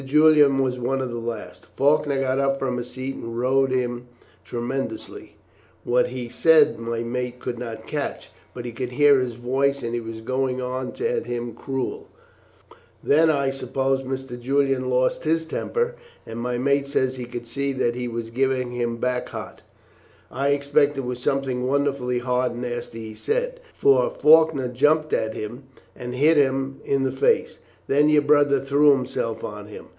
Julian was one of the last. Faulkner got up from his seat and rowed him tremendous. What he said my mate could not catch, but he could hear his voice, and he was going on at him cruel; then I suppose Mr. Julian lost his temper, and my mate says he could see that he was giving it him back hot. I expect it was something wonderful hard and nasty he said, for Faulkner jumped at him and hit him in the face. Then your brother threw himself on him.